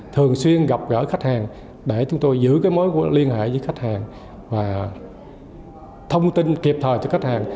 thường xuyên gặp gỡ khách hàng để chúng tôi giữ mối liên hệ với khách hàng và thông tin kịp thời cho khách hàng